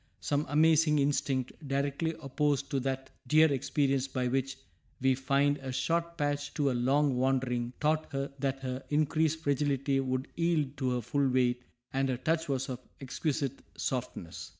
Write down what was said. Some amazing instinct, directly opposed to that dear experience by which we find a short path to a long wandering, taught her that their increased fragility would yield to her full weight, and her touch was of exquisite softness.